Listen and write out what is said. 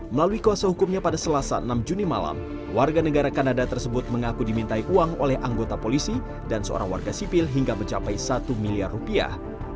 melalui kuasa hukumnya pada selasa enam juni malam warga negara kanada tersebut mengaku dimintai uang oleh anggota polisi dan seorang warga sipil hingga mencapai satu miliar rupiah